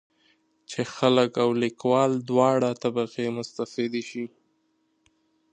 چې خلک او لیکوال دواړه طبقې مستفیدې شي.